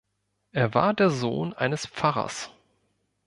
Er war der Sohn eines Pfarrers.